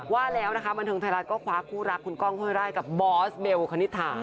ว่าแล้วนะคะบันเทิงไทยรัฐก็คว้าคู่รักคุณก้องห้วยไร่กับบอสเบลคณิตถา